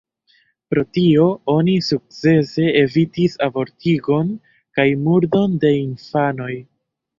Pro tio oni sukcese evitis abortigon kaj murdon de infanoj.